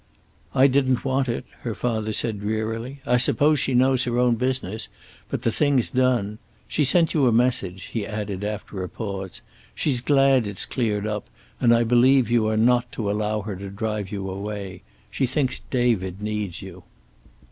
"I didn't want it," her father said drearily. "I suppose she knows her own business, but the thing's done. She sent you a message," he added after a pause. "She's glad it's cleared up and I believe you are not to allow her to drive you away. She thinks David needs you."